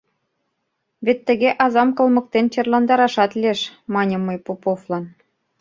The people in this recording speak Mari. — Вет тыге азам кылмыктен черландарашат лиеш, — маньым мый Поповлан.